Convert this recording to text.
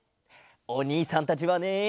おにいさんたちはね。